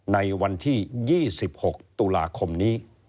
ในวันที่๒๖ตุลาคมนี้